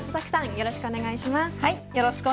よろしくお願いします。